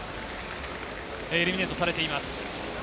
エリミネイトされています。